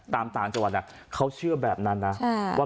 ตามต่างจัวร์เขาเชื่อแบบนั้นน่ะ